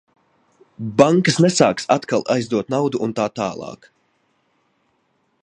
Bankas nesāks atkal aizdot naudu un tā tālāk.